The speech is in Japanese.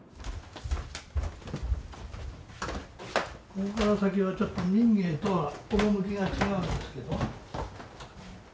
ここから先はちょっと民藝とは趣が違うんですけど。